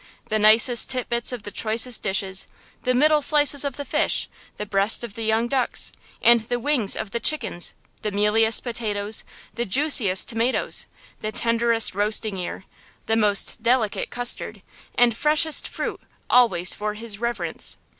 The nicest tit bits of the choicest dishes–the middle slices of the fish, the breast of the young ducks, and the wings of the chickens, the mealiest potatoes, the juiciest tomatoes, the tenderest roasting ear, the most delicate custard, and freshest fruit always for his reverence!